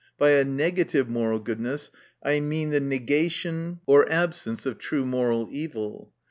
By a negative moral goodness, I mean the negation or absence of true moral evil.